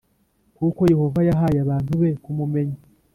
kuko Yehova yahaye abantu be kumumenya